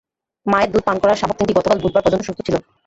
মায়ের দুধ পান করা শাবক তিনটি গতকাল বুধবার পর্যন্ত সুস্থ ছিল।